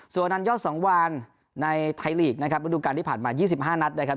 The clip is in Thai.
ส่วนนันยอดสังวานในไทยลีกนะครับฤดูการที่ผ่านมา๒๕นัดนะครับ